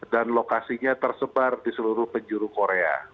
dan lokasinya tersebar di seluruh penjuru korea